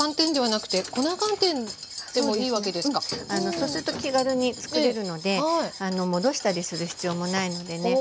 そうすると気軽につくれるので戻したりする必要もないのでね